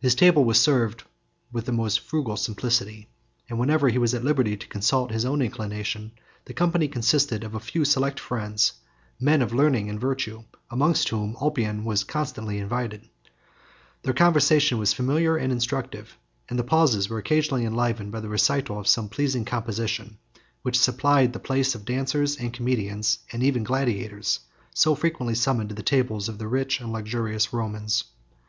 His table was served with the most frugal simplicity, and whenever he was at liberty to consult his own inclination, the company consisted of a few select friends, men of learning and virtue, amongst whom Ulpian was constantly invited. Their conversation was familiar and instructive; and the pauses were occasionally enlivened by the recital of some pleasing composition, which supplied the place of the dancers, comedians, and even gladiators, so frequently summoned to the tables of the rich and luxurious Romans.